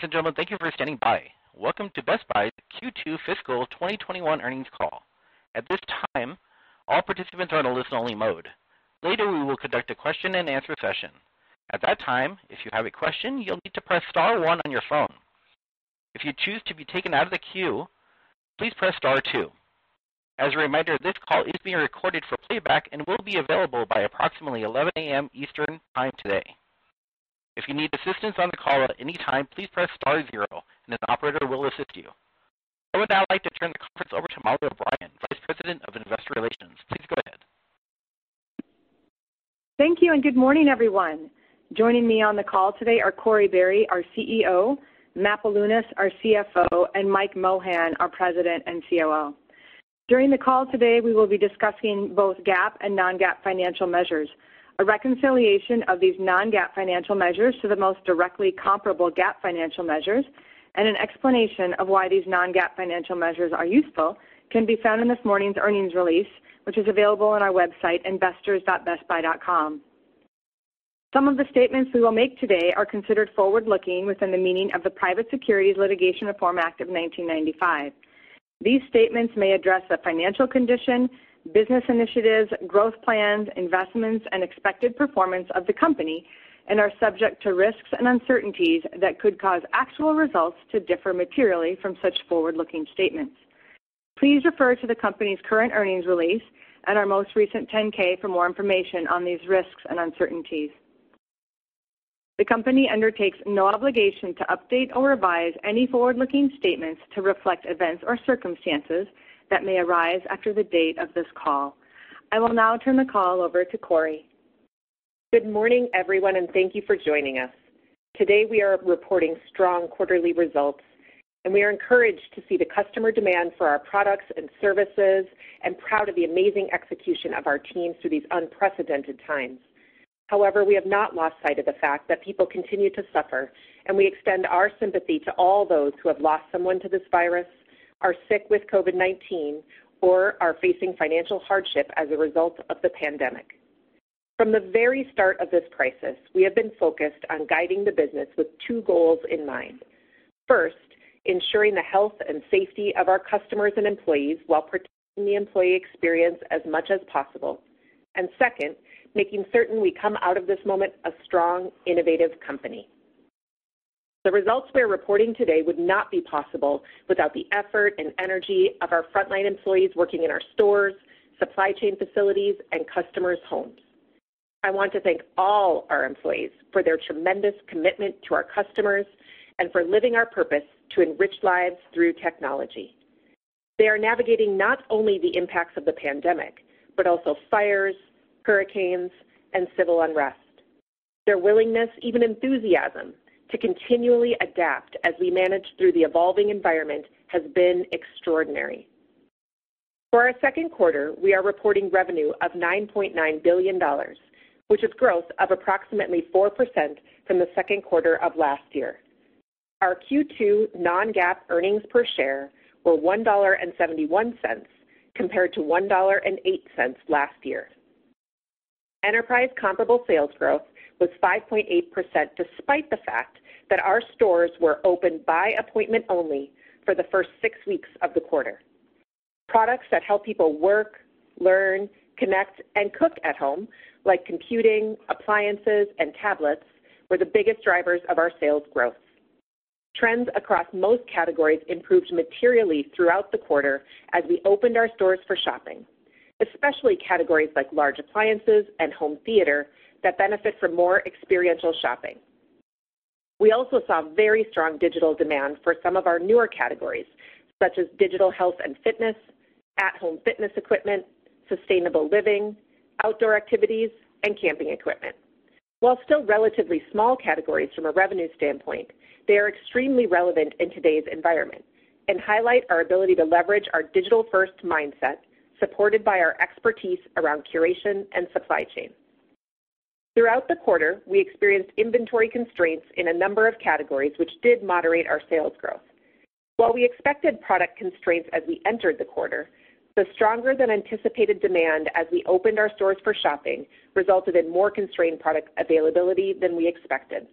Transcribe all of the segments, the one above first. Ladies and gentlemen, thank you for standing by. Welcome to Best Buy Q2 Fiscal 2021 Earnings Call. At this time, all participants are on the listen-only mode. Later, we will conduct a question and answer session. At that time, if you have a question, you'll need to press star one on your phone. If you choose to be taken out of the queue, please press star two. As a reminders, this call is being recorded for playback and will be available by approximately 11 A.M. Eastern Time today. If you need assistance on the caller anytime, please press star zero, and the operator will assist you. With that, I would now like to turn the conference over to Mollie O'Brien, Vice President of Investor Relations. Please go ahead. Thank you, and good morning, everyone. Joining me on the call today are Corie Barry, our CEO, Matt Bilunas, our CFO, and Mike Mohan, our President and COO. During the call today, we will be discussing both GAAP and non-GAAP financial measures. A reconciliation of these non-GAAP financial measures to the most directly comparable GAAP financial measures and an explanation of why these non-GAAP financial measures are useful can be found in this morning's earnings release, which is available on our website, investors.bestbuy.com. Some of the statements we will make today are considered forward-looking within the meaning of the Private Securities Litigation Reform Act of 1995. These statements may address the financial condition, business initiatives, growth plans, investments, and expected performance of the company and are subject to risks and uncertainties that could cause actual results to differ materially from such forward-looking statements. Please refer to the company's current earnings release and our most recent 10-K for more information on these risks and uncertainties. The company undertakes no obligation to update or revise any forward-looking statements to reflect events or circumstances that may arise after the date of this call. I will now turn the call over to Corie. Good morning, everyone, and thank you for joining us. Today, we are reporting strong quarterly results, and we are encouraged to see the customer demand for our products and services and proud of the amazing execution of our teams through these unprecedented times. However, we have not lost sight of the fact that people continue to suffer, and we extend our sympathy to all those who have lost someone to this virus, are sick with COVID-19, or are facing financial hardship as a result of the pandemic. From the very start of this crisis, we have been focused on guiding the business with two goals in mind. First, ensuring the health and safety of our customers and employees while protecting the employee experience as much as possible. And second, making certain we come out of this moment a strong, innovative company. The results we're reporting today would not be possible without the effort and energy of our frontline employees working in our stores, supply chain facilities, and customers' homes. I want to thank all our employees for their tremendous commitment to our customers and for living our purpose to enrich lives through technology. They are navigating not only the impacts of the pandemic, but also fires, hurricanes, and civil unrest. Their willingness, even enthusiasm, to continually adapt as we manage through the evolving environment has been extraordinary. For our second quarter, we are reporting revenue of $9.9 billion, which is growth of approximately 4% from the second quarter of last year. Our Q2 non-GAAP earnings per share were $1.71 compared to $1.08 last year. Enterprise comparable sales growth was 5.8%, despite the fact that our stores were open by appointment only for the first six weeks of the quarter. Products that help people work, learn, connect, and cook at home, like computing, appliances, and tablets, were the biggest drivers of our sales growth. Trends across most categories improved materially throughout the quarter as we opened our stores for shopping, especially categories like large appliances and home theater that benefit from more experiential shopping. We also saw very strong digital demand for some of our newer categories, such as digital health and fitness, at-home fitness equipment, sustainable living, outdoor activities, and camping equipment. While still relatively small categories from a revenue standpoint, they are extremely relevant in today's environment and highlight our ability to leverage our digital-first mindset, supported by our expertise around curation and supply chain. Throughout the quarter, we experienced inventory constraints in a number of categories, which did moderate our sales growth. While we expected product constraints as we entered the quarter, the stronger-than-anticipated demand as we opened our stores for shopping resulted in more constrained product availability than we expected.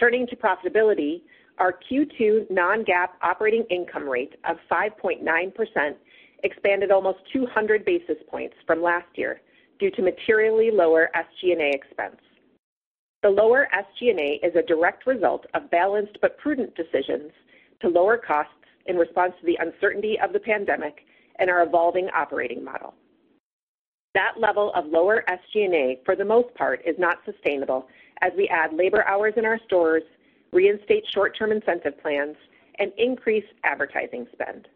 Turning to profitability, our Q2 non-GAAP operating income rate of 5.9% expanded almost 200 basis points from last year due to materially lower SG&A expense. The lower SG&A is a direct result of balanced but prudent decisions to lower costs in response to the uncertainty of the pandemic and our evolving operating model. That level of lower SG&A, for the most part, is not sustainable as we add labor hours in our stores, reinstate short-term incentive plans, and increase advertising spend.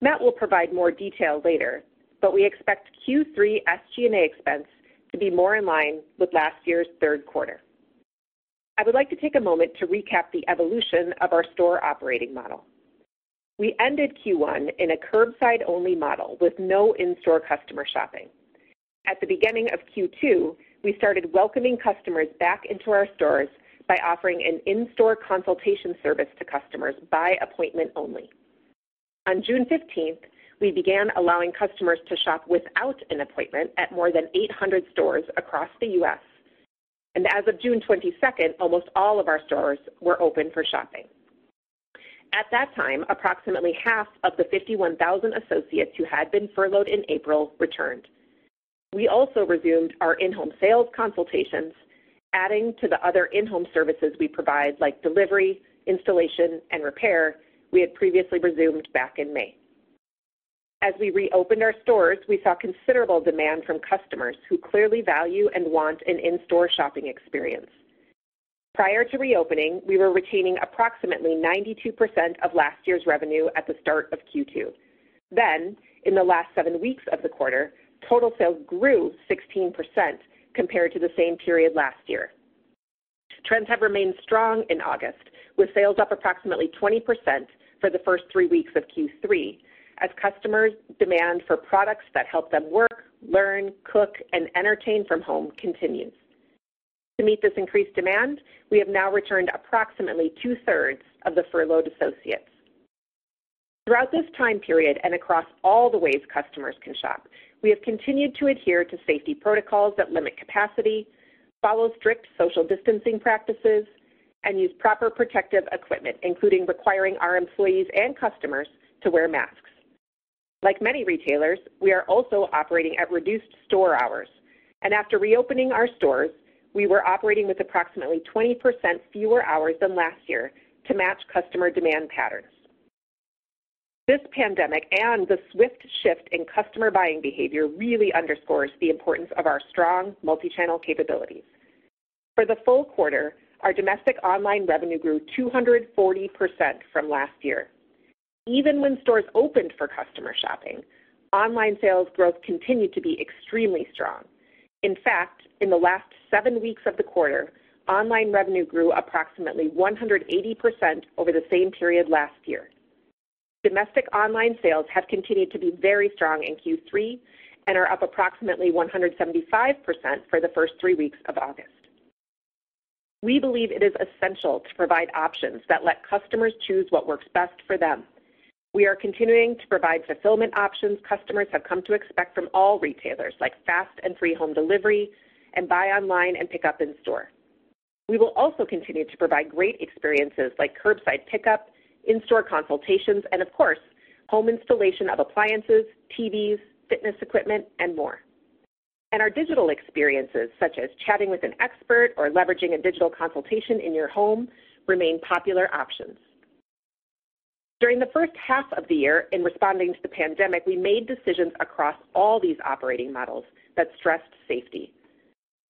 Matt will provide more detail later. But, we expect Q3 SG&A expense to be more in line with last year's third quarter. I would like to take a moment to recap the evolution of our store operating model. We ended Q1 in a curbside-only model with no in-store customer shopping. At the beginning of Q2, we started welcoming customers back into our stores by offering an in-store consultation service to customers by appointment only. On June 15th, we began allowing customers to shop without an appointment at more than 800 stores across the U.S., and as of June 22nd, almost all of our stores were open for shopping. At that time, approximately half of the 51,000 associates who had been furloughed in April returned. We also resumed our in-home sales consultations, adding to the other in-home services we provide, like delivery, installation, and repair we had previously resumed back in May. As we reopened our stores, we saw considerable demand from customers who clearly value and want an in-store shopping experience. Prior to reopening, we were retaining approximately 92% of last year's revenue at the start of Q2. Then, in the last seven weeks of the quarter, total sales grew 16% compared to the same period last year. Trends have remained strong in August, with sales up approximately 20% for the first three weeks of Q3, as customers' demand for products that help them work, learn, cook, and entertain from home continues. To meet this increased demand, we have now returned approximately 2/3 of the furloughed associates. Throughout this time period and across all the ways customers can shop, we have continued to adhere to safety protocols that limit capacity, follow strict social distancing practices, and use proper protective equipment, including requiring our employees and customers to wear masks. Like many retailers, we are also operating at reduced store hours, and after reopening our stores, we were operating with approximately 20% fewer hours than last year to match customer demand patterns. This pandemic and the swift shift in customer buying behavior really underscores the importance of our strong multi-channel capabilities. For the full quarter, our domestic online revenue grew 240% from last year. Even when stores opened for customer shopping, online sales growth continued to be extremely strong. In fact, in the last seven weeks of the quarter, online revenue grew approximately 180% over the same period last year. Domestic online sales have continued to be very strong in Q3 and are up approximately 175% for the first three weeks of August. We believe it is essential to provide options that let customers choose what works best for them. We are continuing to provide fulfillment options customers have come to expect from all retailers, like fast and free home delivery and buy online and pick up in store. We will also continue to provide great experiences like curbside pickup, in-store consultations, and of course, home installation of appliances, TVs, fitness equipment, and more. Our digital experiences, such as chatting with an expert or leveraging a digital consultation in your home, remain popular options. During the first half of the year, in responding to the pandemic, we made decisions across all these operating models that stressed safety.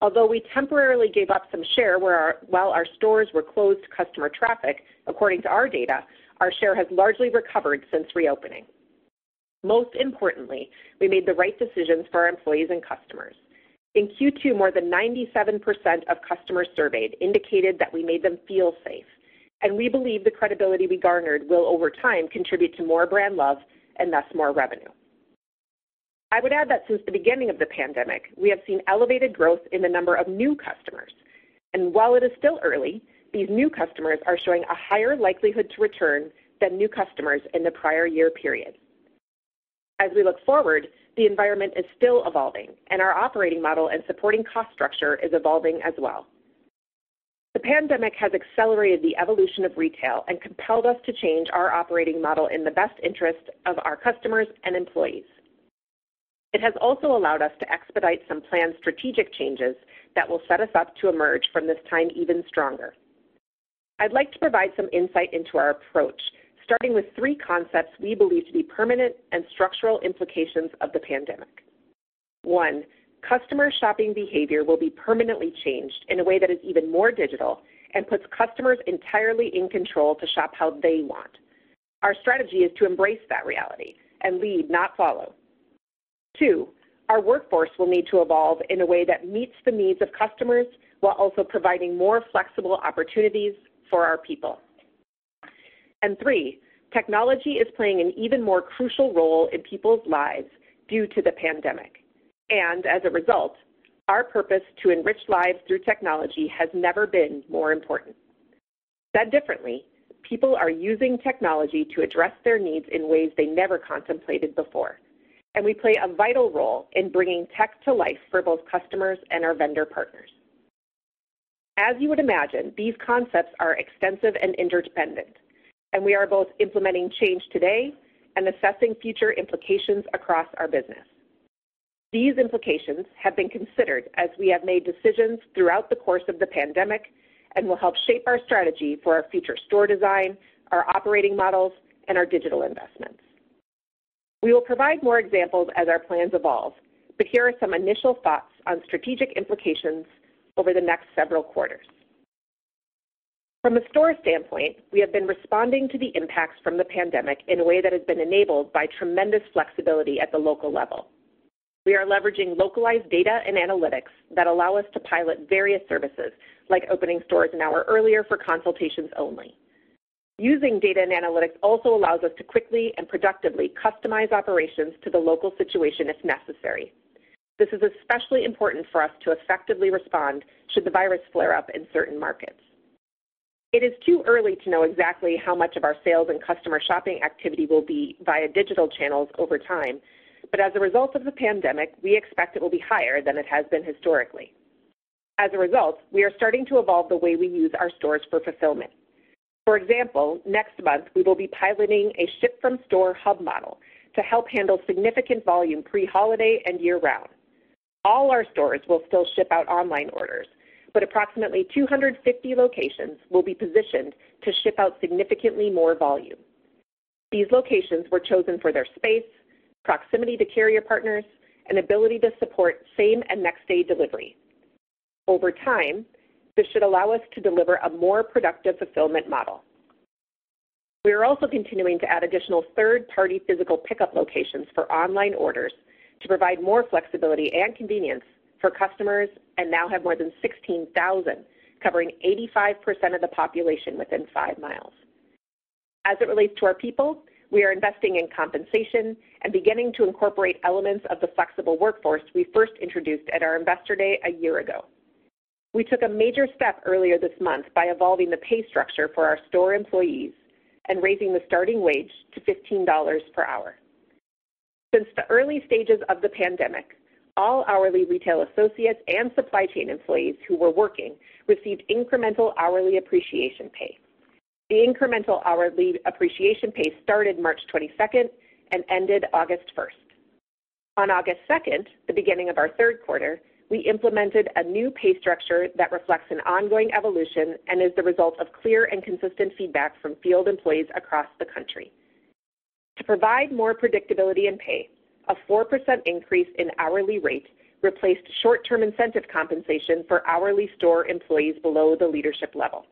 Although we temporarily gave up some share while our stores were closed to customer traffic, according to our data, our share has largely recovered since reopening. Most importantly, we made the right decisions for our employees and customers. In Q2, more than 97% of customers surveyed indicated that we made them feel safe, and we believe the credibility we garnered will, over time, contribute to more brand love and, thus, more revenue. I would add that since the beginning of the pandemic, we have seen elevated growth in the number of new customers. While it is still early, these new customers are showing a higher likelihood to return than new customers in the prior year period. As we look forward, the environment is still evolving, and our operating model and supporting cost structure is evolving as well. The pandemic has accelerated the evolution of retail and compelled us to change our operating model in the best interest of our customers and employees. It has also allowed us to expedite some planned strategic changes that will set us up to emerge from this time even stronger. I'd like to provide some insight into our approach, starting with three concepts we believe to be permanent and structural implications of the pandemic. One, customer shopping behavior will be permanently changed in a way that is even more digital and puts customers entirely in control to shop how they want. Our strategy is to embrace that reality and lead, not follow. Two, our workforce will need to evolve in a way that meets the needs of customers while also providing more flexible opportunities for our people. Three, technology is playing an even more crucial role in people's lives due to the pandemic. As a result, our purpose to enrich lives through technology has never been more important. Said differently, people are using technology to address their needs in ways they never contemplated before, and we play a vital role in bringing tech to life for both customers and our vendor partners. As you would imagine, these concepts are extensive and interdependent, and we are both implementing change today and assessing future implications across our business. These implications have been considered as we have made decisions throughout the course of the pandemic and will help shape our strategy for our future store design, our operating models, and our digital investments. We will provide more examples as our plans evolve, but here are some initial thoughts on strategic implications over the next several quarters. From a store standpoint, we have been responding to the impacts from the pandemic in a way that has been enabled by tremendous flexibility at the local level. We are leveraging localized data and analytics that allow us to pilot various services, like opening stores an hour earlier for consultations only. Using data and analytics also allows us to quickly and productively customize operations to the local situation if necessary. This is especially important for us to effectively respond should the virus flare up in certain markets. It is too early to know exactly how much of our sales and customer shopping activity will be via digital channels over time, but as a result of the pandemic, we expect it will be higher than it has been historically. As a result, we are starting to evolve the way we use our stores for fulfillment. For example, next month, we will be piloting a ship-from-store hub model to help handle significant volume pre-holiday and year-round. All our stores will still ship out online orders, but approximately 250 locations will be positioned to ship out significantly more volume. These locations were chosen for their space, proximity to carrier partners, and ability to support same and next-day delivery. Over time, this should allow us to deliver a more productive fulfillment model. We are also continuing to add additional third-party physical pickup locations for online orders to provide more flexibility and convenience for customers and now have more than 16,000 covering 85% of the population within five miles. As it relates to our people, we are investing in compensation and beginning to incorporate elements of the flexible workforce we first introduced at our investor day a year ago. We took a major step earlier this month by evolving the pay structure for our store employees and raising the starting wage to $15 per hour. Since the early stages of the pandemic, all hourly retail associates and supply chain employees who were working received incremental hourly appreciation pay. The incremental hourly appreciation pay started March 22nd and ended August 1st. On August 2nd, the beginning of our third quarter, we implemented a new pay structure that reflects an ongoing evolution and is the result of clear and consistent feedback from field employees across the country. To provide more predictability in pay, a 4% increase in hourly rates replaced short-term incentive compensation for hourly store employees below the leadership level.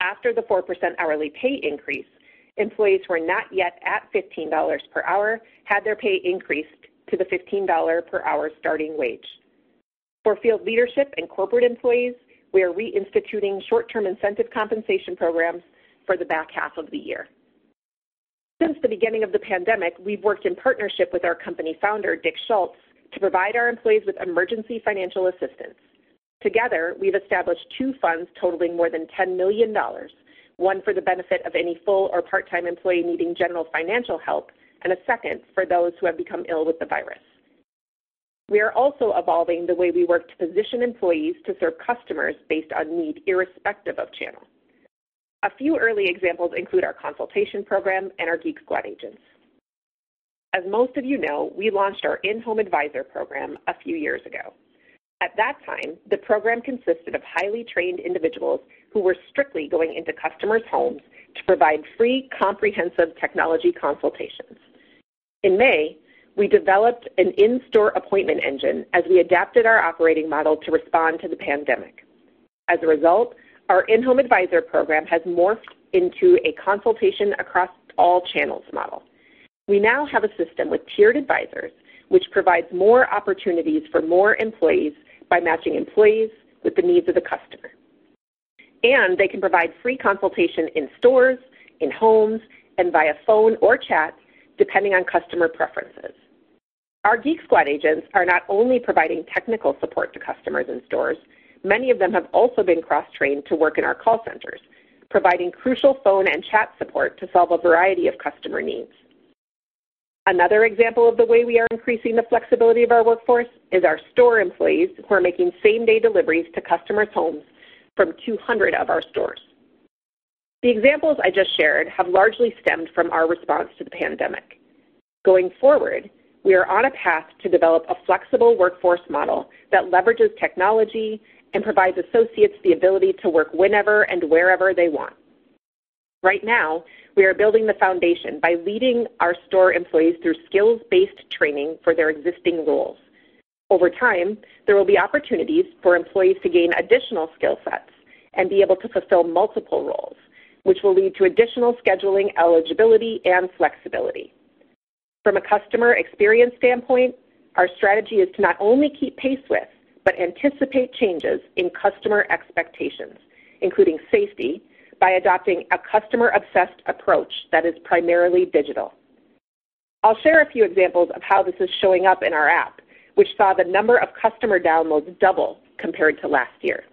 After the 4% hourly pay increase, employees who are not yet at $15 per hour had their pay increased to the $15 per hour starting wage. For field leadership and corporate employees, we are reinstituting short-term incentive compensation programs for the back half of the year. Since the beginning of the pandemic, we've worked in partnership with our company Founder, Dick Schulze, to provide our employees with emergency financial assistance. Together, we've established two funds totaling more than $10 million. One for the benefit of any full or part-time employee needing general financial help, and a second for those who have become ill with the virus. We are also evolving the way we work to position employees to serve customers based on need irrespective of channel. A few early examples include our consultation program and our Geek Squad agents. As most of you know, we launched our in-home advisor program a few years ago. At that time, the program consisted of highly trained individuals who were strictly going into customers' homes to provide free comprehensive technology consultations. In May, we developed an in-store appointment engine as we adapted our operating model to respond to the pandemic. As a result, our in-home advisor program has morphed into a consultation across all channels model. We now have a system with tiered advisors, which provides more opportunities for more employees by matching employees with the needs of the customer. They can provide free consultation in stores, in homes, and via phone or chat, depending on customer preferences. Our Geek Squad agents are not only providing technical support to customers in stores, many of them have also been cross-trained to work in our call centers, providing crucial phone and chat support to solve a variety of customer needs. Another example of the way we are increasing the flexibility of our workforce is our store employees who are making same-day deliveries to customers' homes from 200 of our stores. The examples I just shared have largely stemmed from our response to the pandemic. Going forward, we are on a path to develop a flexible workforce model that leverages technology and provides associates the ability to work whenever and wherever they want. Right now, we are building the foundation by leading our store employees through skills-based training for their existing roles. Over time, there will be opportunities for employees to gain additional skill sets and be able to fulfill multiple roles, which will lead to additional scheduling eligibility and flexibility. From a customer experience standpoint, our strategy is to not only keep pace with, but anticipate changes in customer expectations, including safety, by adopting a customer-obsessed approach that is primarily digital. I'll share a few examples of how this is showing up in our app, which saw the number of customer downloads double compared to last year.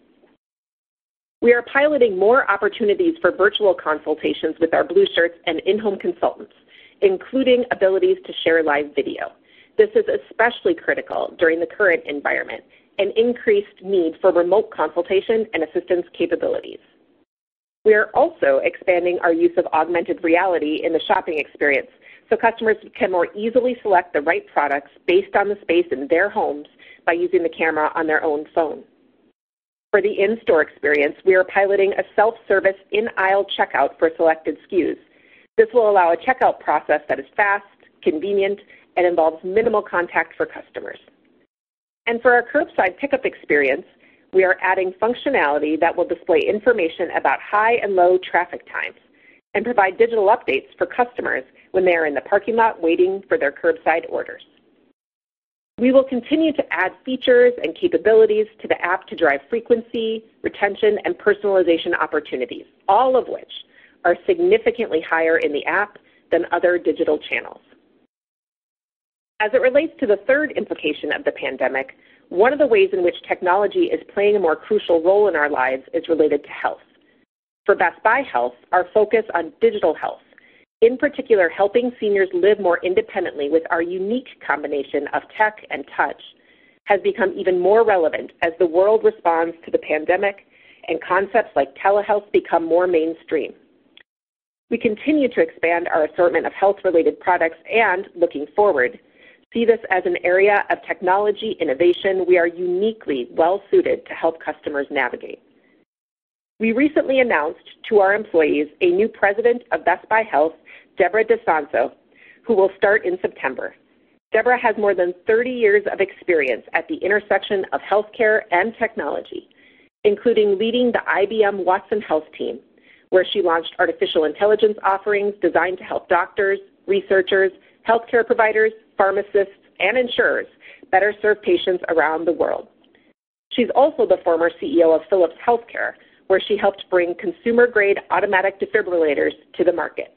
We are piloting more opportunities for virtual consultations with our Blue Shirts and in-home consultants, including abilities to share live video. This is especially critical during the current environment, an increased need for remote consultation and assistance capabilities. We are also expanding our use of augmented reality in the shopping experience so customers can more easily select the right products based on the space in their homes by using the camera on their own phone. For the in-store experience, we are piloting a self-service in-aisle checkout for selected SKUs. This will allow a checkout process that is fast, convenient, and involves minimal contact for customers. For our curbside pickup experience, we are adding functionality that will display information about high and low traffic times and provide digital updates for customers when they are in the parking lot waiting for their curbside orders. We will continue to add features and capabilities to the app to drive frequency, retention, and personalization opportunities, all of which are significantly higher in the app than other digital channels. As it relates to the third implication of the pandemic, one of the ways in which technology is playing a more crucial role in our lives is related to health. For Best Buy Health, our focus on digital health, in particular, helping seniors live more independently with our unique combination of tech and touch, has become even more relevant as the world responds to the pandemic and concepts like telehealth become more mainstream. We continue to expand our assortment of health-related products and looking forward, see this as an area of technology innovation we are uniquely well-suited to help customers navigate. We recently announced to our employees a new President of Best Buy Health, Deborah DiSanzo, who will start in September. Deborah has more than 30 years of experience at the intersection of healthcare and technology, including leading the IBM Watson Health team, where she launched artificial intelligence offerings designed to help doctors, researchers, healthcare providers, pharmacists, and insurers better serve patients around the world. She's also the former CEO of Philips Healthcare, where she helped bring consumer-grade automatic defibrillators to the market.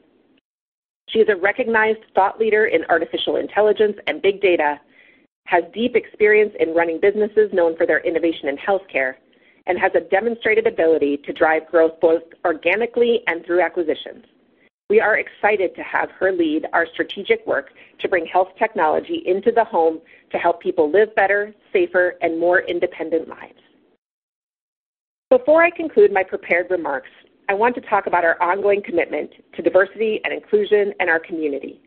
She is a recognized thought leader in artificial intelligence and big data, has deep experience in running businesses known for their innovation in healthcare, and has a demonstrated ability to drive growth both organically and through acquisitions. We are excited to have her lead our strategic work to bring health technology into the home to help people live better, safer, and more independent lives. Before I conclude my prepared remarks, I want to talk about our ongoing commitment to diversity and inclusion in our community.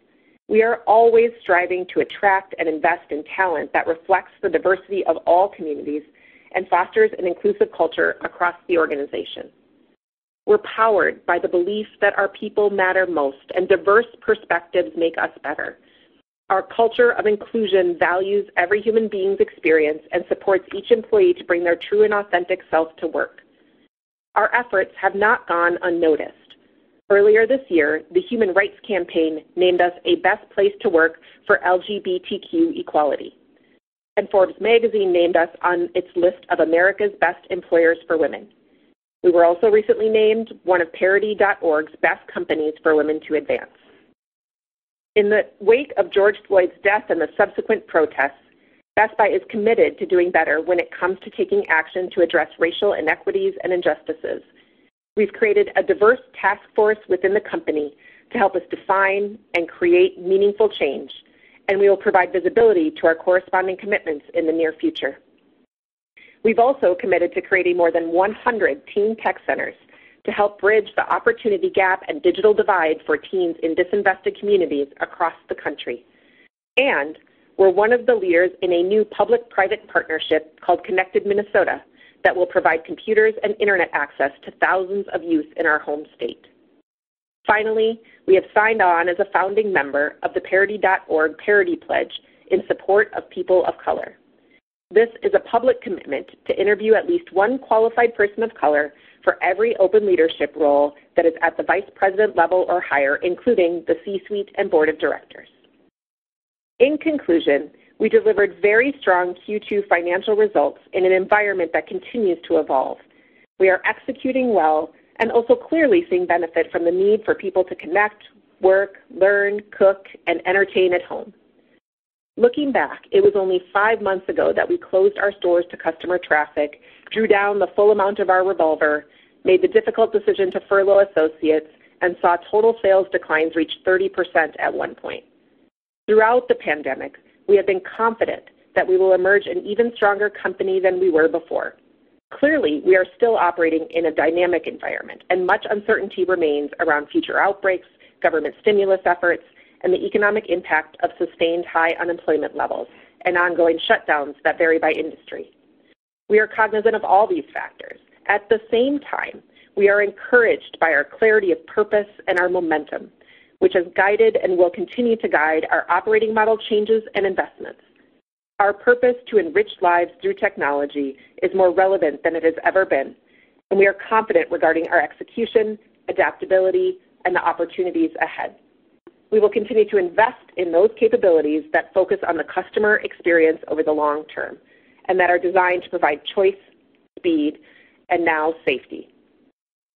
We are always striving to attract and invest in talent that reflects the diversity of all communities and fosters an inclusive culture across the organization. We're powered by the belief that our people matter most and diverse perspectives make us better. Our culture of inclusion values every human being's experience and supports each employee to bring their true and authentic self to work. Our efforts have not gone unnoticed. Earlier this year, the Human Rights Campaign named us a Best Place to Work for LGBTQ equality, and Forbes named us on its list of America's Best Employers for Women. We were also recently named one of Parity.Org's Best Companies for Women to Advance. In the wake of George Floyd's death and the subsequent protests, Best Buy is committed to doing better when it comes to taking action to address racial inequities and injustices. We've created a diverse task force within the company to help us define and create meaningful change. We will provide visibility to our corresponding commitments in the near future. We've also committed to creating more than 100 Teen Tech Centers to help bridge the opportunity gap and digital divide for teens in disinvested communities across the country. We're one of the leaders in a new public-private partnership called Connected Minnesota that will provide computers and internet access to thousands of youth in our home state. Finally, we have signed on as a founding member of the Parity.Org ParityPledge in Support of People of Color. This is a public commitment to interview at least one qualified person of color for every open leadership role that is at the vice president level or higher, including the C-suite and board of directors. In conclusion, we delivered very strong Q2 financial results in an environment that continues to evolve. We are executing well and also clearly seeing benefit from the need for people to connect, work, learn, cook, and entertain at home. Looking back, it was only five months ago that we closed our stores to customer traffic, drew down the full amount of our revolver, made the difficult decision to furlough associates, and saw total sales declines reach 30% at one point. Throughout the pandemic, we have been confident that we will emerge an even stronger company than we were before. Clearly, we are still operating in a dynamic environment, and much uncertainty remains around future outbreaks, government stimulus efforts, and the economic impact of sustained high unemployment levels and ongoing shutdowns that vary by industry. We are cognizant of all these factors. At the same time, we are encouraged by our clarity of purpose and our momentum, which has guided and will continue to guide our operating model changes and investments. Our purpose to enrich lives through technology is more relevant than it has ever been, and we are confident regarding our execution, adaptability, and the opportunities ahead. We will continue to invest in those capabilities that focus on the customer experience over the long term and that are designed to provide choice, speed, and now safety.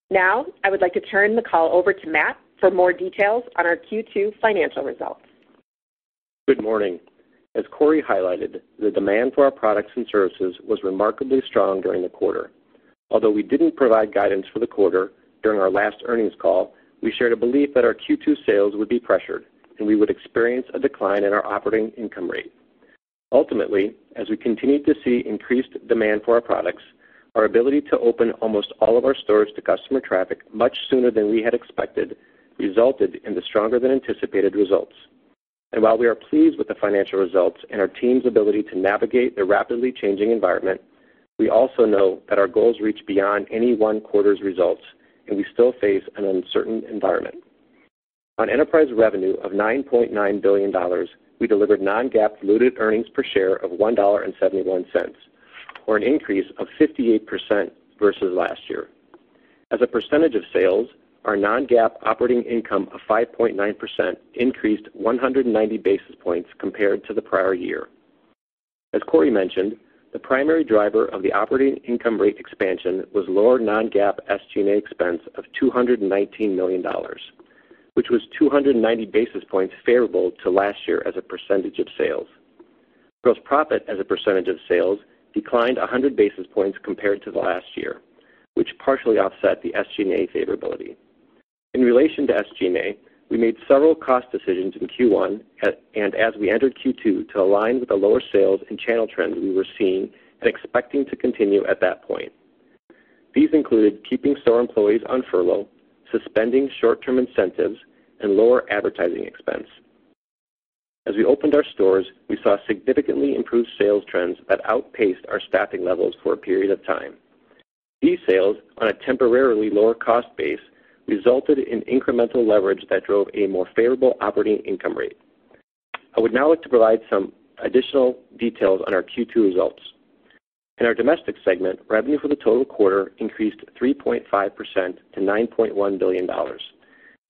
Now, I would like to turn the call over to Matt for more details on our Q2 financial results. Good morning. As Corie highlighted, the demand for our products and services was remarkably strong during the quarter. Although we didn't provide guidance for the quarter during our last earnings call, we shared a belief that our Q2 sales would be pressured, and we would experience a decline in our operating income rate. As we continued to see increased demand for our products, our ability to open almost all of our stores to customer traffic much sooner than we had expected resulted in the stronger-than-anticipated results. While we are pleased with the financial results and our team's ability to navigate the rapidly changing environment, we also know that our goals reach beyond any one quarter's results, and we still face an uncertain environment. On enterprise revenue of $9.9 billion, we delivered non-GAAP diluted earnings per share of $1.71, or an increase of 58% versus last year. As a percentage of sales, our non-GAAP operating income of 5.9% increased 190 basis points compared to the prior year. As Corie mentioned, the primary driver of the operating income rate expansion was lower non-GAAP SG&A expense of $219 million, which was 290 basis points favorable to last year as a percentage of sales. Gross profit as a percentage of sales declined 100 basis points compared to last year, which partially offset the SG&A favorability. In relation to SG&A, we made several cost decisions in Q1, and as we entered Q2 to align with the lower sales and channel trends we were seeing and expecting to continue at that point. These included keeping store employees on furlough, suspending short-term incentives, and lower advertising expense. As we opened our stores, we saw significantly improved sales trends that outpaced our staffing levels for a period of time. These sales, on a temporarily lower cost base, resulted in incremental leverage that drove a more favorable operating income rate. I would now like to provide some additional details on our Q2 results. In our Domestic segment, revenue for the total quarter increased 3.5% to $9.1 billion.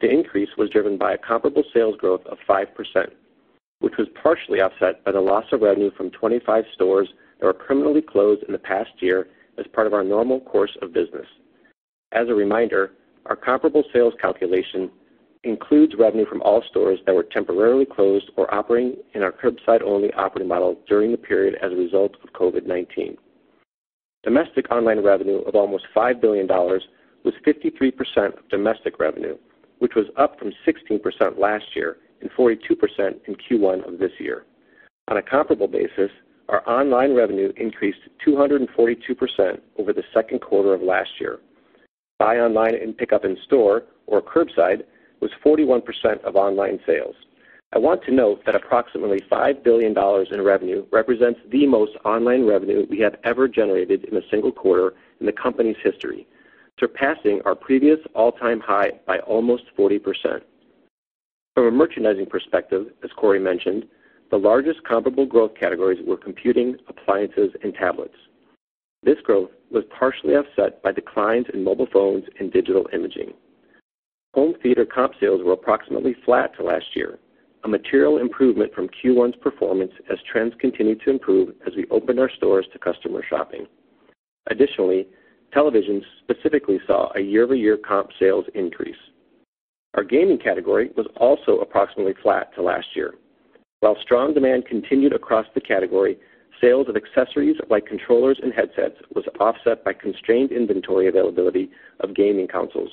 The increase was driven by a comparable sales growth of 5%, which was partially offset by the loss of revenue from 25 stores that were permanently closed in the past year as part of our normal course of business. As a reminder, our comparable sales calculation includes revenue from all stores that were temporarily closed or operating in our curbside-only operating model during the period as a result of COVID-19. Domestic online revenue of almost $5 billion was 53% of domestic revenue, which was up from 16% last year and 42% in Q1 of this year. On a comparable basis, our online revenue increased 242% over the second quarter of last year. Buy online and pick up in store or curbside was 41% of online sales. I want to note that approximately $5 billion in revenue represents the most online revenue we have ever generated in a single quarter in the company's history, surpassing our previous all-time high by almost 40%. From a merchandising perspective, as Corie mentioned, the largest comparable growth categories were computing, appliances, and tablets. This growth was partially offset by declines in mobile phones and digital imaging. Home theater comp sales were approximately flat to last year, a material improvement from Q1's performance as trends continued to improve as we opened our stores to customer shopping. Additionally, televisions specifically saw a year-over-year comp sales increase. Our gaming category was also approximately flat to last year. While strong demand continued across the category, sales of accessories like controllers and headsets was offset by constrained inventory availability of gaming consoles.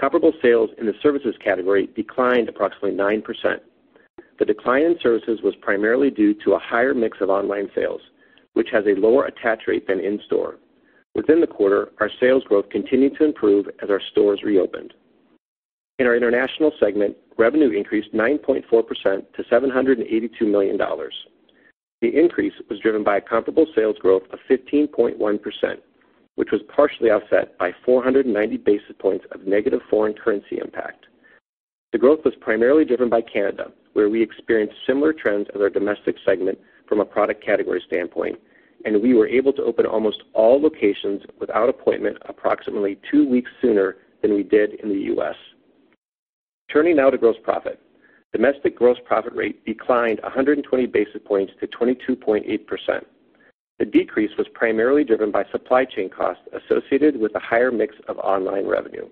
Comparable sales in the services category declined approximately 9%. The decline in services was primarily due to a higher mix of online sales, which has a lower attach rate than in-store. Within the quarter, our sales growth continued to improve as our stores reopened. In our International segment, revenue increased 9.4% to $782 million. The increase was driven by a comparable sales growth of 15.1%, which was partially offset by 490 basis points of negative foreign currency impact. The growth was primarily driven by Canada, where we experienced similar trends as our Domestic segment from a product category standpoint, and we were able to open almost all locations without appointment approximately two weeks sooner than we did in the U.S.. Turning now to gross profit. Domestic gross profit rate declined 120 basis points to 22.8%. The decrease was primarily driven by supply chain costs associated with a higher mix of online revenue.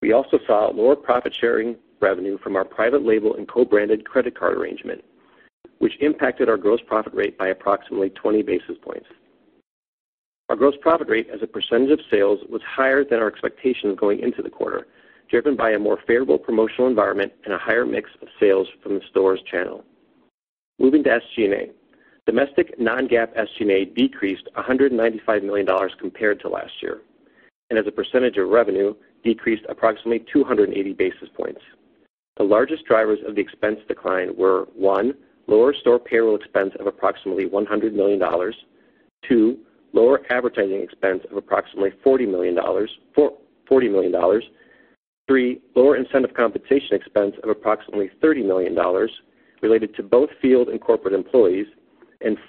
We also saw lower profit-sharing revenue from our private label and co-branded credit card arrangement, which impacted our gross profit rate by approximately 20 basis points. Our gross profit rate as a percentage of sales was higher than our expectations going into the quarter, driven by a more favorable promotional environment and a higher mix of sales from the stores channel. Moving to SG&A. Domestic non-GAAP SG&A decreased $195 million compared to last year, and as a percentage of revenue, decreased approximately 280 basis points. The largest drivers of the expense decline were, one, lower store payroll expense of approximately $100 million. Two, lower advertising expense of approximately $40 million. Three, lower incentive compensation expense of approximately $30 million related to both field and corporate employees.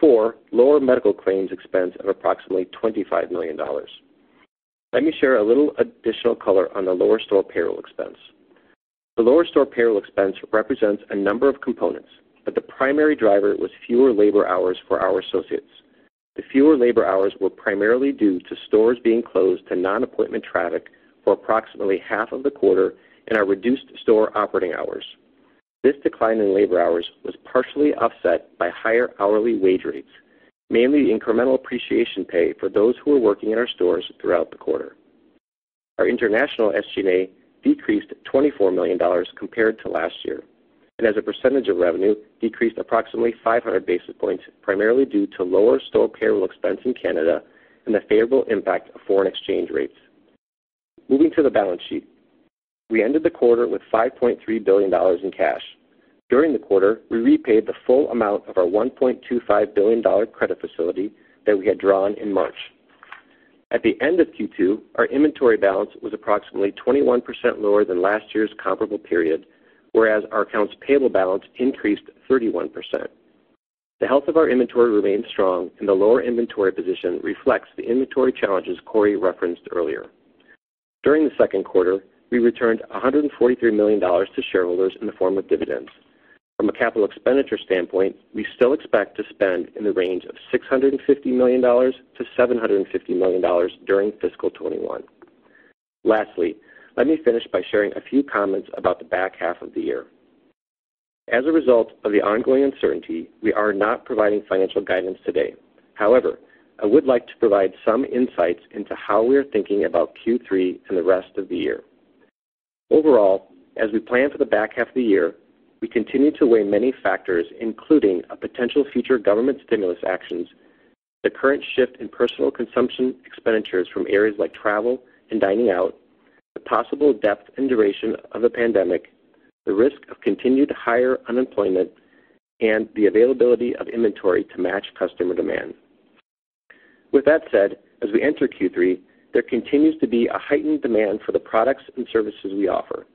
Four, lower medical claims expense of approximately $25 million. Let me share a little additional color on the lower store payroll expense. The lower store payroll expense represents a number of components, but the primary driver was fewer labor hours for our associates. The fewer labor hours were primarily due to stores being closed to non-appointment traffic for approximately half of the quarter and our reduced store operating hours. This decline in labor hours was partially offset by higher hourly wage rates, mainly incremental appreciation pay for those who were working in our stores throughout the quarter. Our international SG&A decreased $24 million compared to last year, and as a percentage of revenue, decreased approximately 500 basis points, primarily due to lower store payroll expense in Canada and the favorable impact of foreign exchange rates. Moving to the balance sheet. We ended the quarter with $5.3 billion in cash. During the quarter, we repaid the full amount of our $1.25 billion credit facility that we had drawn in March. At the end of Q2, our inventory balance was approximately 21% lower than last year's comparable period, whereas our accounts payable balance increased 31%. The health of our inventory remains strong, and the lower inventory position reflects the inventory challenges Corie referenced earlier. During the second quarter, we returned $143 million to shareholders in the form of dividends. From a capital expenditure standpoint, we still expect to spend in the range of $650 million-$750 million during fiscal 2021. Lastly, let me finish by sharing a few comments about the back half of the year. As a result of the ongoing uncertainty, we are not providing financial guidance today. However, I would like to provide some insights into how we are thinking about Q3 and the rest of the year. Overall, as we plan for the back half of the year, we continue to weigh many factors, including a potential future government stimulus actions, the current shift in personal consumption expenditures from areas like travel and dining out, the possible depth and duration of the pandemic, the risk of continued higher unemployment, and the availability of inventory to match customer demand. With that said, as we enter Q3, there continues to be a heightened demand for the products and services we offer.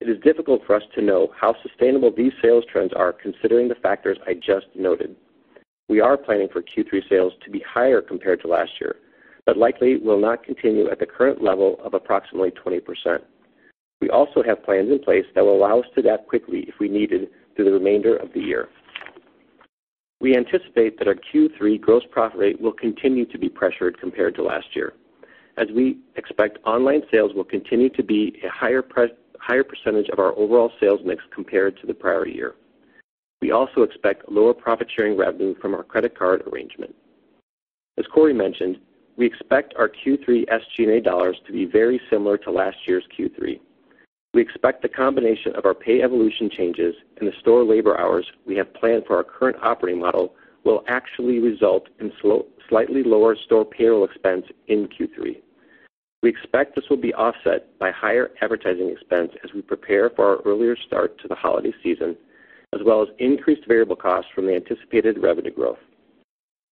It is difficult for us to know how sustainable these sales trends are, considering the factors I just noted. We are planning for Q3 sales to be higher compared to last year, but likely will not continue at the current level of approximately 20%. We also have plans in place that will allow us to adapt quickly if we needed through the remainder of the year. We anticipate that our Q3 gross profit rate will continue to be pressured compared to last year, as we expect online sales will continue to be a higher percentage of our overall sales mix compared to the prior year. We also expect lower profit-sharing revenue from our credit card arrangement. As Corie mentioned, we expect our Q3 SG&A dollars to be very similar to last year's Q3. We expect the combination of our pay evolution changes and the store labor hours we have planned for our current operating model will actually result in slightly lower store payroll expense in Q3. We expect this will be offset by higher advertising expense as we prepare for our earlier start to the holiday season, as well as increased variable costs from the anticipated revenue growth.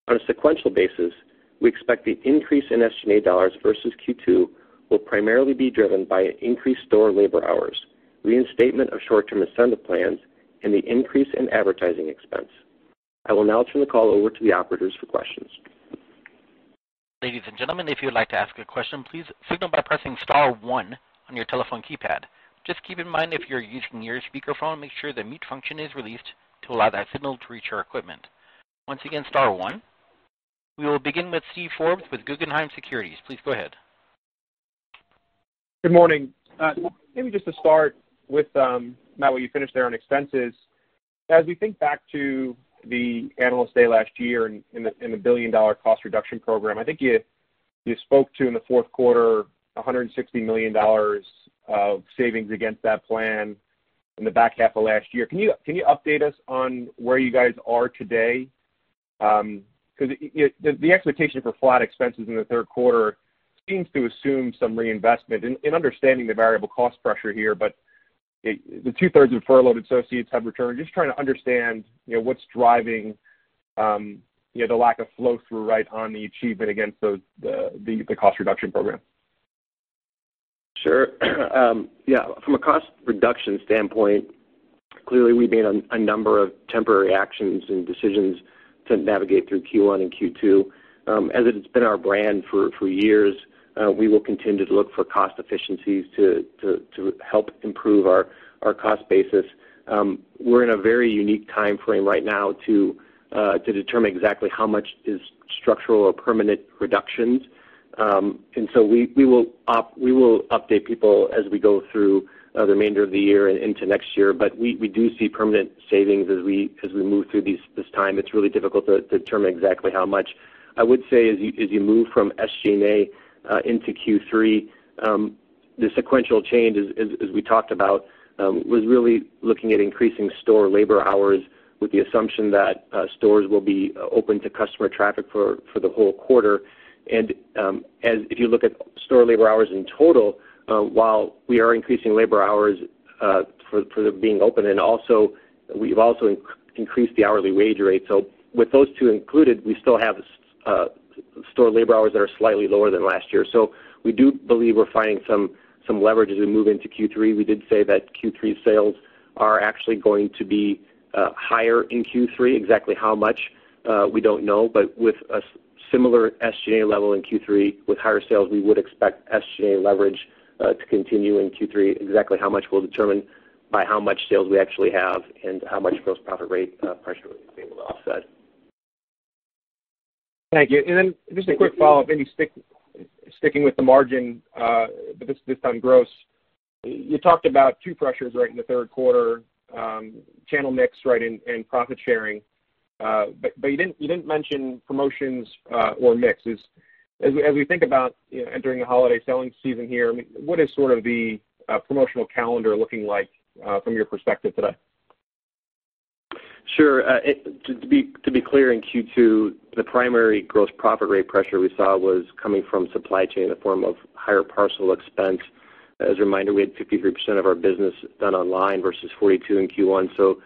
On a sequential basis, we expect the increase in SG&A dollars versus Q2 will primarily be driven by increased store labor hours, reinstatement of short-term incentive plans, and the increase in advertising expense. I will now turn the call over to the operators for questions. Ladies and gentlemen, if you would like to ask a question, please signal by pressing star one on your telephone keypad. Just keep in mind, if you're using your speakerphone, make sure the mute function is released to allow that signal to reach our equipment. Once again, star one. We will begin with Steven Forbes with Guggenheim Securities. Please go ahead. Good morning. Maybe just to start with, Matt, you finished there on expenses. We think back to the analyst day last year and the billion-dollar cost reduction program, I think you spoke to in the fourth quarter $160 million of savings against that plan in the back half of last year. Can you update us on where you guys are today? The expectation for flat expenses in the third quarter seems to assume some reinvestment. Understanding the variable cost pressure here, but the 2/3 of furloughed associates have returned. Just trying to understand what's driving the lack of flow-through right on the achievement against the cost reduction program. Sure. Yeah. From a cost reduction standpoint, clearly we've made a number of temporary actions and decisions to navigate through Q1 and Q2. As it has been our brand for years, we will continue to look for cost efficiencies to help improve our cost basis. We're in a very unique time frame right now to determine exactly how much is structural or permanent reductions. We will update people as we go through the remainder of the year and into next year. We do see permanent savings as we move through this time. It's really difficult to determine exactly how much. I would say, as you move from SG&A into Q3, the sequential change, as we talked about, was really looking at increasing store labor hours with the assumption that stores will be open to customer traffic for the whole quarter. If you look at store labor hours in total, while we are increasing labor hours for being open, and we've also increased the hourly wage rate. With those two included, we still have store labor hours that are slightly lower than last year. We do believe we're finding some leverage as we move into Q3. We did say that Q3 sales are actually going to be higher in Q3. Exactly how much, we don't know. With a similar SG&A level in Q3, with higher sales, we would expect SG&A leverage to continue in Q3. Exactly how much we'll determine by how much sales we actually have and how much gross profit rate pressure we'll be able to offset. Thank you. Just a quick follow-up, maybe sticking with the margin, but this time gross. You talked about two pressures right in the third quarter, channel mix and profit-sharing, but you didn't mention promotions or mix. As we think about entering the holiday selling season here, what is sort of the promotional calendar looking like from your perspective today? Sure. To be clear, in Q2, the primary gross profit rate pressure we saw was coming from supply chain in the form of higher parcel expense. As a reminder, we had 53% of our business done online versus 42 in Q1, so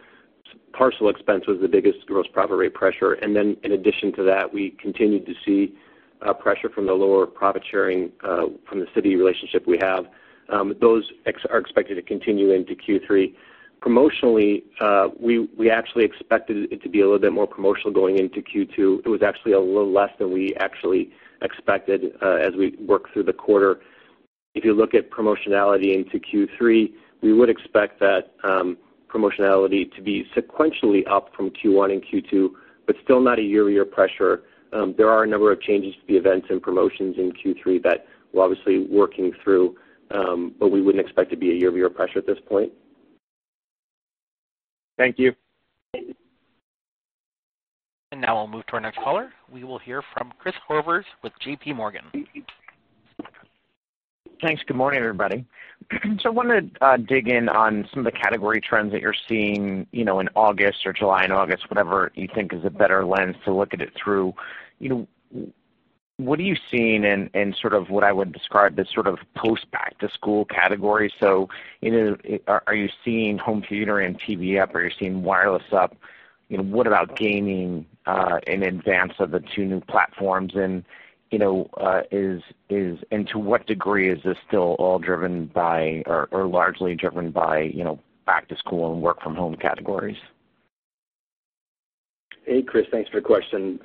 parcel expense was the biggest gross profit rate pressure. Then in addition to that, we continued to see pressure from the lower profit sharing from the Citi relationship we have. Those are expected to continue into Q3. Promotionally, we actually expected it to be a little bit more promotional going into Q2. It was actually a little less than we actually expected as we worked through the quarter. If you look at promotionality into Q3, we would expect that promotionality to be sequentially up from Q1 and Q2, but still not a year-on-year pressure. There are a number of changes to the events and promotions in Q3 that we're obviously working through, but we wouldn't expect it to be a year-on-year pressure at this point. Thank you. Now we'll move to our next caller. We will hear from Chris Horvers with JPMorgan. Thanks. Good morning, everybody. I wanted to dig in on some of the category trends that you're seeing, you know, in August or July and August, whatever you think is a better lens to look at it through. What are you seeing in sort of what I would describe as sort of post-back-to-school category? Are you seeing home theater and TV up? Are you seeing wireless up? What about gaming in advance of the two new platforms? You know, to what degree is this still all driven by, or largely driven by, you know, back-to-school and work-from-home categories? Hey, Chris. Thanks for the question.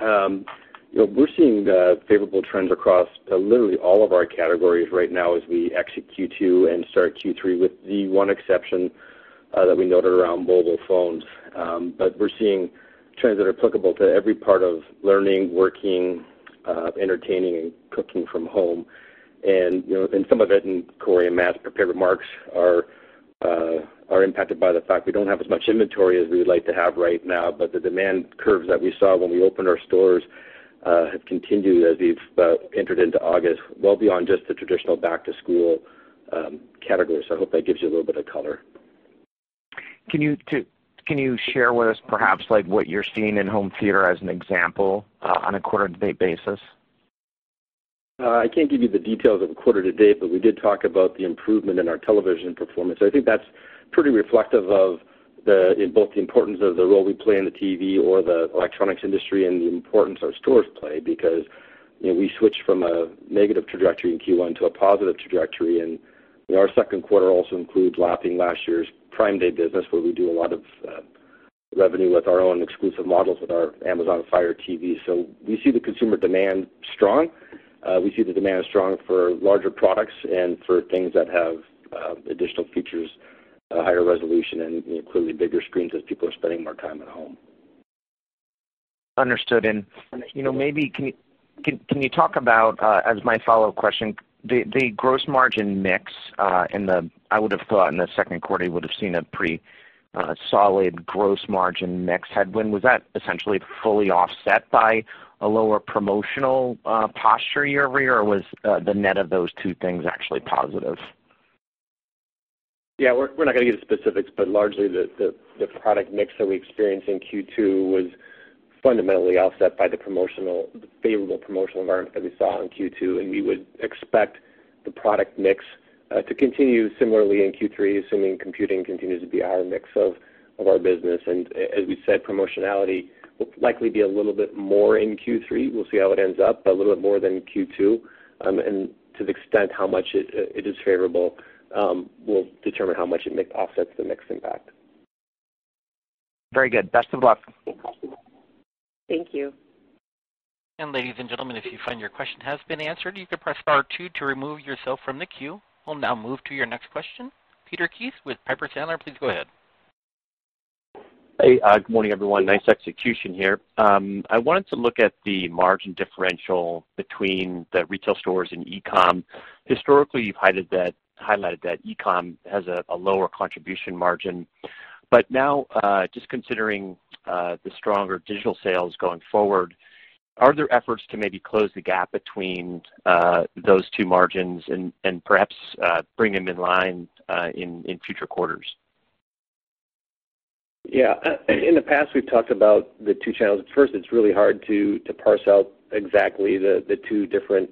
We're seeing favorable trends across literally all of our categories right now as we exit Q2 and start Q3, with the one exception that we noted around mobile phones. We're seeing trends that are applicable to every part of learning, working, entertaining, and cooking from home. Some of it, in Corie and Matt's prepared remarks, are impacted by the fact we don't have as much inventory as we would like to have right now. The demand curves that we saw when we opened our stores have continued as we've entered into August, well beyond just the traditional back-to-school category. I hope that gives you a little bit of color. Can you share with us perhaps what you're seeing in home theater as an example on a quarter-to-date basis? I can't give you the details of quarter-to-date, but we did talk about the improvement in our television performance. I think that's pretty reflective of both the importance of the role we play in the TV or the electronics industry and the importance our stores play because we switched from a negative trajectory in Q1 to a positive trajectory. Our second quarter also includes lapping last year's Prime Day business, where we do a lot of revenue with our own exclusive models with our Amazon Fire TV. We see the consumer demand strong. We see the demand is strong for larger products and for things that have additional features, higher resolution, and clearly bigger screens as people are spending more time at home. Understood. Maybe, can you talk about, as my follow-up question, the gross margin mix? I would have thought in the second quarter you would have seen a pretty solid gross margin mix headwind. Was that essentially fully offset by a lower promotional posture year-over-year, or was the net of those two things actually positive? Yeah, we're not going to get into specifics, but largely the product mix that we experienced in Q2 was fundamentally offset by the favorable promotional environment that we saw in Q2, and we would expect the product mix to continue similarly in Q3, assuming computing continues to be our mix of our business. As we said, promotionality will likely be a little bit more in Q3. We'll see how it ends up, but a little bit more than Q2. To the extent how much it is favorable will determine how much it offsets the mix impact. Very good. Best of luck. Thank you. Ladies and gentlemen, if you find your question has been answered, you can press star two to remove yourself from the queue. We'll now move to your next question. Peter Keith with Piper Sandler, please go ahead. Hey, good morning, everyone. Nice execution here. I wanted to look at the margin differential between the retail stores and e-com. Historically, you've highlighted that e-com has a lower contribution margin. Now, just considering the stronger digital sales going forward, are there efforts to maybe close the gap between those two margins and perhaps bring them in line in future quarters? In the past, we've talked about the two channels. First, it's really hard to parse out exactly the two different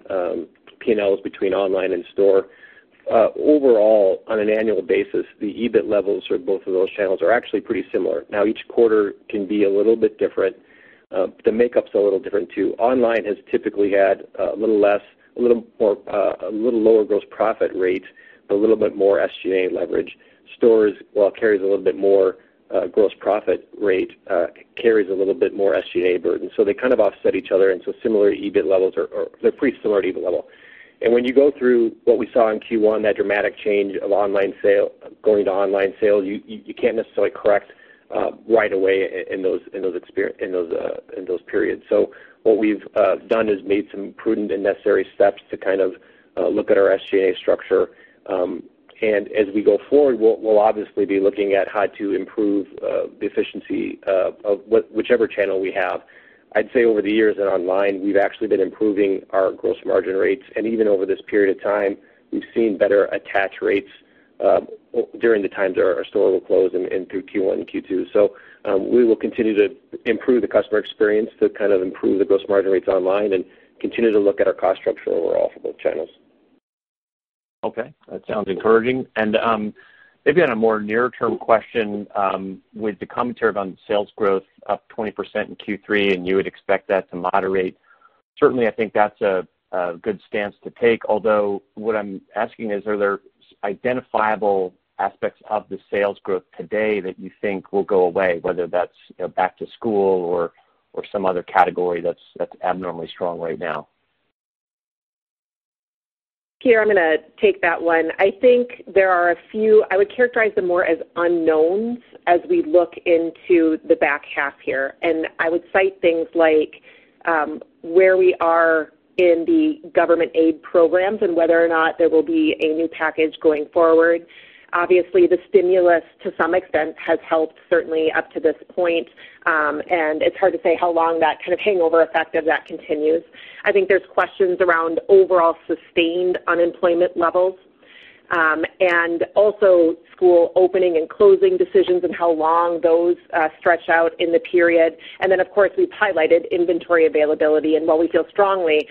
P&Ls between online and store. Overall, on an annual basis, the EBIT levels for both of those channels are actually pretty similar. Each quarter can be a little bit different. The makeup's a little different, too. Online has typically had a little lower gross profit rate, but a little bit more SG&A leverage. Stores, while it carries a little bit more gross profit rate, carries a little bit more SG&A burden. They kind of offset each other, similar EBIT levels are pretty similar EBIT level. When you go through what we saw in Q1, that dramatic change of going to online sales, you can't necessarily correct right away in those periods. What we've done is made some prudent and necessary steps to kind of look at our SG&A structure. As we go forward, we'll obviously be looking at how to improve the efficiency of whichever channel we have. I'd say over the years in online, we've actually been improving our gross margin rates. Even over this period of time, we've seen better attach rates during the times our store was closed and through Q1 and Q2. We will continue to improve the customer experience to kind of improve the gross margin rates online and continue to look at our cost structure overall for both channels. Okay. That sounds encouraging. Maybe on a more near-term question, with the commentary on sales growth up 20% in Q3, and you would expect that to moderate. Certainly, I think that's a good stance to take. Although, what I'm asking is, are there identifiable aspects of the sales growth today that you think will go away, whether that's back to school or some other category that's abnormally strong right now? Peter, I'm going to take that one. I think there are a few. I would characterize them more as unknowns as we look into the back half here, and I would cite things like, where we are in the government aid programs and whether or not there will be a new package going forward. Obviously, the stimulus, to some extent, has helped certainly up to this point. It's hard to say how long that kind of hangover effect of that continues. I think there's questions around overall sustained unemployment levels, and also school opening and closing decisions and how long those stretch out in the period. Then, of course, we've highlighted inventory availability. While we feel strongly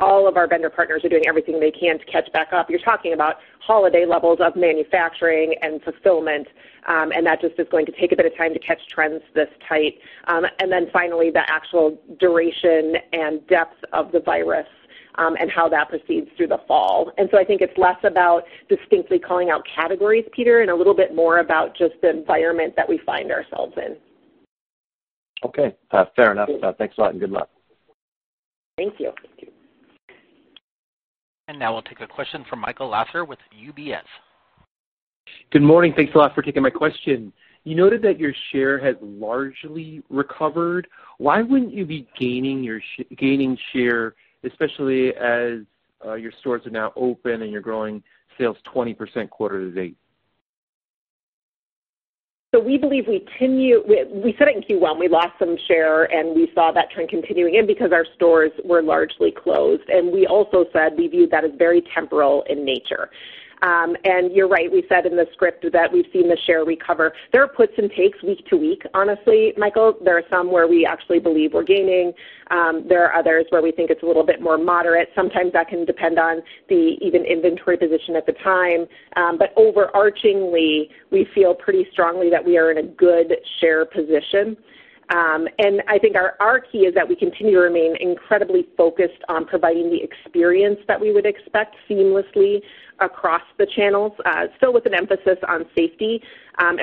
all of our vendor partners are doing everything they can to catch back up, you're talking about holiday levels of manufacturing and fulfillment, and that just is going to take a bit of time to catch trends this tight. Finally, the actual duration and depth of the virus, and how that proceeds through the fall. I think it's less about distinctly calling out categories, Peter, and a little bit more about just the environment that we find ourselves in. Okay. Fair enough. Thanks a lot, and good luck. Thank you. Now we'll take a question from Michael Lasser with UBS. Good morning. Thanks a lot for taking my question. You noted that your share has largely recovered. Why wouldn't you be gaining share, especially as your stores are now open and you're growing sales 20% quarter-to-date? We believe we continue. We said in Q1 we lost some share and we saw that trend continuing because our stores were largely closed. We also said we viewed that as very temporal in nature. You're right, we said in the script that we've seen the share recover. There are puts and takes week-to-week, honestly, Michael. There are some where we actually believe we're gaining. There are others where we think it's a little bit more moderate. Sometimes that can depend on the even inventory position at the time. Overarchingly, we feel pretty strongly that we are in a good share position. I think our key is that we continue to remain incredibly focused on providing the experience that we would expect seamlessly across the channels, still with an emphasis on safety.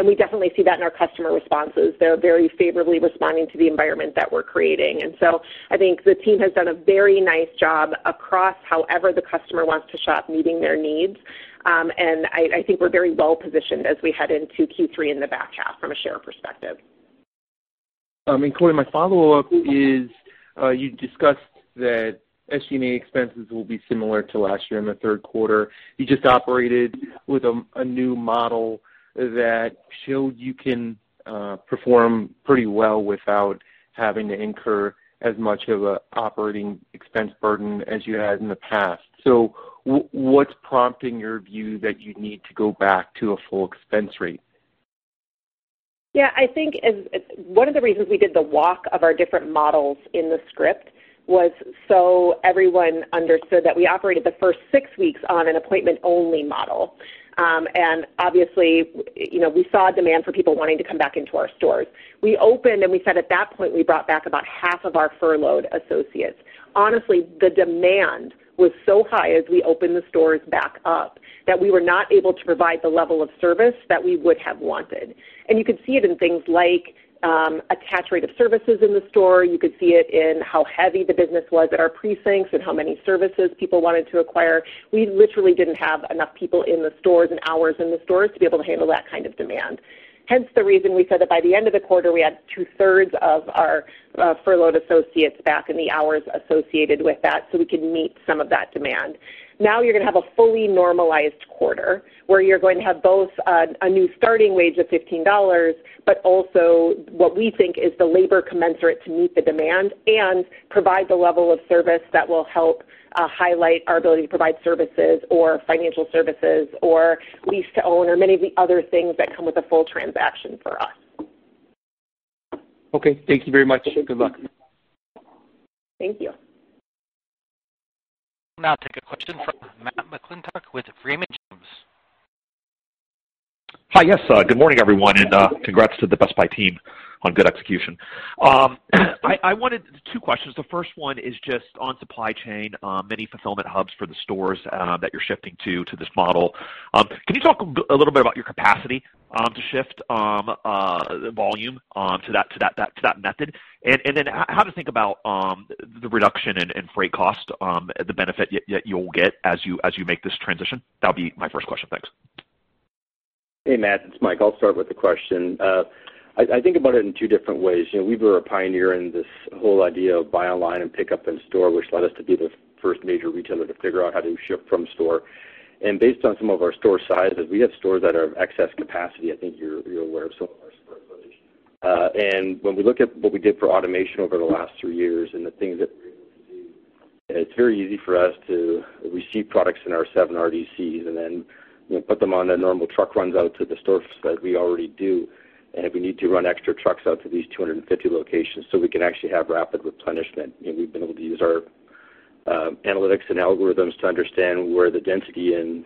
We definitely see that in our customer responses. They're very favorably responding to the environment that we're creating. I think the team has done a very nice job across however the customer wants to shop, meeting their needs. I think we're very well-positioned as we head into Q3 in the back half from a share perspective. Corie, my follow-up is, you discussed that SG&A expenses will be similar to last year in the third quarter. You just operated with a new model that showed you can perform pretty well without having to incur as much of an operating expense burden as you had in the past. What's prompting your view that you need to go back to a full expense rate? Yeah, I think one of the reasons we did the walk of our different models in the script was so everyone understood that we operated the first six weeks on an appointment-only model. Obviously, we saw demand for people wanting to come back into our stores. We opened, and we said at that point, we brought back about half of our furloughed associates. Honestly, the demand was so high as we opened the stores back up that we were not able to provide the level of service that we would have wanted. You could see it in things like attach rate of services in the store. You could see it in how heavy the business was at our precincts and how many services people wanted to acquire. We literally didn't have enough people in the stores and hours in the stores to be able to handle that kind of demand. Hence the reason we said that by the end of the quarter, we had two-thirds of our furloughed associates back and the hours associated with that so we could meet some of that demand. Now you're going to have a fully normalized quarter where you're going to have both a new starting wage of $15, but also what we think is the labor commensurate to meet the demand and provide the level of service that will help highlight our ability to provide services or financial services or lease to own, or many of the other things that come with a full transaction for us. Okay. Thank you very much. Good luck. Thank you. We'll now take a question from Matt McClintock with Raymond James. Hi. Yes. Good morning, everyone, and congrats to the Best Buy team on good execution. I wanted two questions. The first one is just on supply chain, many fulfillment hubs for the stores that you're shifting to this model. Can you talk a little bit about your capacity to shift volume to that method? How to think about the reduction in freight cost, the benefit that you'll get as you make this transition? That'll be my first question. Thanks. Hey, Matt, it's Mike. I'll start with the question. I think about it in two different ways. We were a pioneer in this whole idea of buy online and pick up in store, which led us to be the first major retailer to figure out how to ship from store. Based on some of our store sizes, we have stores that are of excess capacity. I think you're aware of some of our store locations. When we look at what we did for automation over the last three years and the things that we're able to do, it's very easy for us to receive products in our seven RDCs and then put them on the normal truck runs out to the stores that we already do. If we need to run extra trucks out to these 250 locations so we can actually have rapid replenishment, we've been able to use our analytics and algorithms to understand where the density and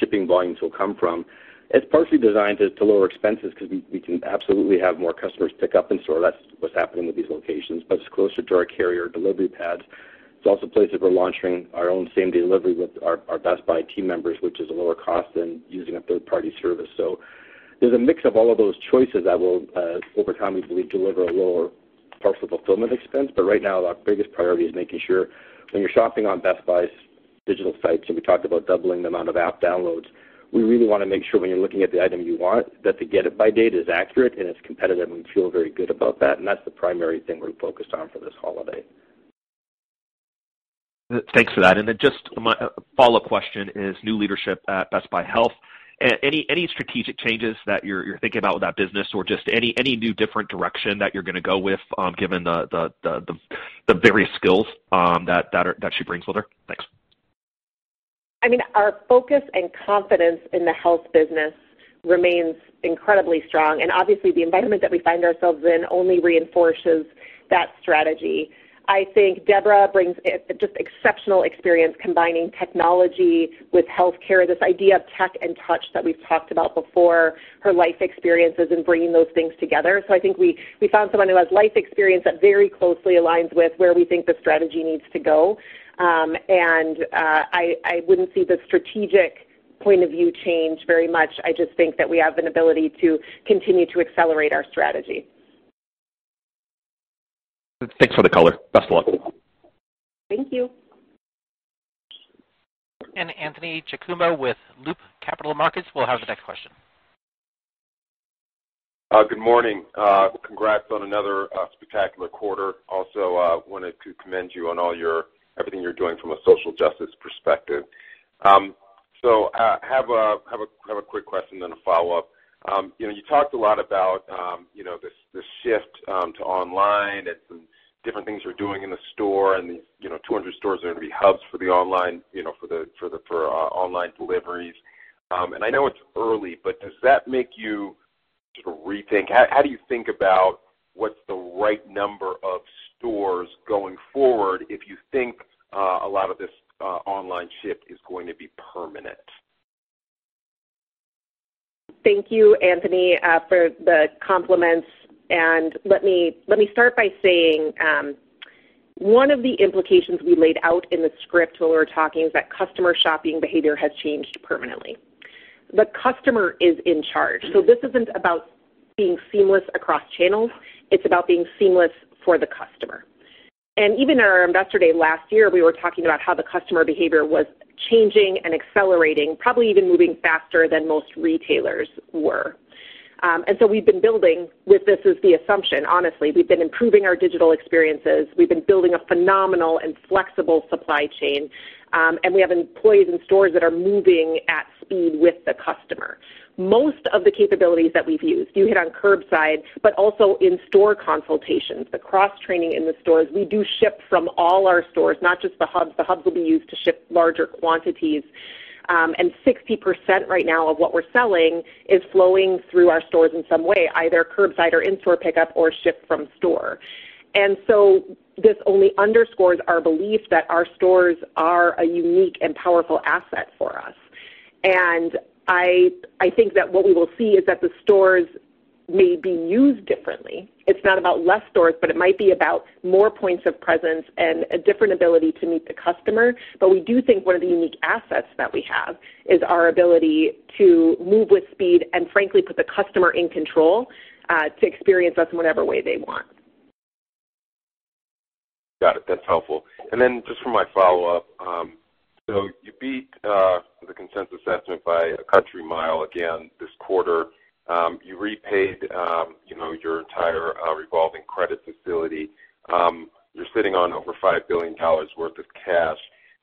shipping volumes will come from. It's partially designed to lower expenses because we can absolutely have more customers pick up in-store. That's what's happening with these locations, but it's closer to our carrier delivery pads. It's also places we're launching our own same-day delivery with our Best Buy team members, which is a lower cost than using a third-party service. There's a mix of all of those choices that will, over time, we believe, deliver a lower partial fulfillment expense. Right now, our biggest priority is making sure when you're shopping on Best Buy's digital sites, and we talked about doubling the amount of app downloads, we really want to make sure when you're looking at the item you want, that the get it by date is accurate and it's competitive, and we feel very good about that, and that's the primary thing we're focused on for this holiday. Thanks for that. Just my follow-up question is new leadership at Best Buy Health. Any strategic changes that you're thinking about with that business or just any new different direction that you're going to go with, given the various skills that she brings with her? Thanks. Our focus and confidence in the health business remains incredibly strong, obviously, the environment that we find ourselves in only reinforces that strategy. I think Deborah brings just exceptional experience combining technology with healthcare, this idea of tech and touch that we've talked about before, her life experiences and bringing those things together. I think we found someone who has life experience that very closely aligns with where we think the strategy needs to go. I wouldn't see the strategic point of view change very much. I just think that we have an ability to continue to accelerate our strategy. Thanks for the color. Best of luck. Thank you. And Anthony Chukumba with Loop Capital Markets will have the next question. Good morning. Congrats on another spectacular quarter. Also wanted to commend you on everything you're doing from a social justice perspective. I have a quick question, then a follow-up. You talked a lot about the shift to online and some different things you're doing in the store, and the, you know, 200 stores are going to be hubs for online deliveries. I know it's early, but does that make you sort of rethink how do you think about what's the right number of stores going forward if you think a lot of this online shift is going to be permanent? Thank you, Anthony, for the compliments. Let me start by saying, one of the implications we laid out in the script when we were talking is that customer shopping behavior has changed permanently. The customer is in charge. This isn't about being seamless across channels. It's about being seamless for the customer. Even at our Investor Day last year, we were talking about how the customer behavior was changing and accelerating, probably even moving faster than most retailers were. We've been building with this as the assumption, honestly. We've been improving our digital experiences. We've been building a phenomenal and flexible supply chain. We have employees in stores that are moving at speed with the customer. Most of the capabilities that we've used, you hit on curbside, also in-store consultations, the cross-training in the stores. We do ship from all our stores, not just the hubs. The hubs will be used to ship larger quantities. And 60% right now of what we're selling is flowing through our stores in some way, either curbside or in-store pickup or ship from store. This only underscores our belief that our stores are a unique and powerful asset for us. I think that what we will see is that the stores may be used differently. It's not about less stores, but it might be about more points of presence and a different ability to meet the customer. We do think one of the unique assets that we have is our ability to move with speed and frankly put the customer in control to experience us in whatever way they want. Got it. That's helpful. Then just for my follow-up, you beat the consensus estimate by a country mile again this quarter. You repaid your entire revolving credit facility. You're sitting on over $5 billion worth of cash.